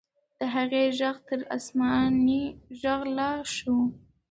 د هغې ږغ تر آسماني ږغ لا ښه و.